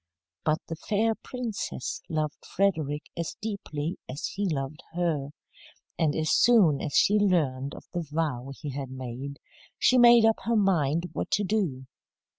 But the fair princess loved Frederick as deeply as he loved her, and as soon as she learned of the vow he had made, she made up her mind what to do.